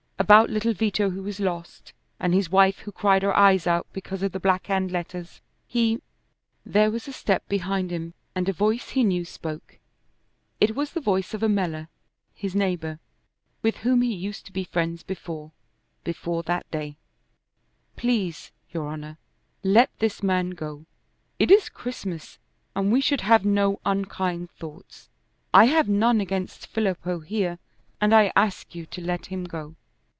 About little Vito who was lost, and his wife who cried her eyes out because of the Black Hand letters. He There was a step behind him, and a voice he knew spoke. It was the voice of Ammella, his neighbor, with whom he used to be friends before before that day. [Illustration: "PLEASE, YOUR HONOR, LET THIS MAN GO! IT IS CHRISTMAS."] "Please, your Honor, let this man go! It is Christmas, and we should have no unkind thoughts. I have none against Filippo here, and I ask you to let him go."